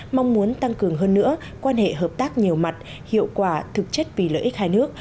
mong muốn tăng cường hơn nữa quan hệ hợp tác nhiều mặt hiệu quả thực chất vì lợi ích hai nước